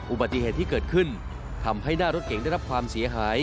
อุบัติเหตุที่เกิดขึ้นทำให้หน้ารถเก๋งได้รับความเสียหาย